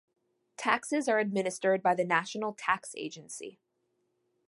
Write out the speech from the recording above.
Taxes are administered by the National Tax Agency.